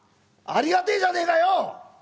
「ありがてえじゃねえかよ」。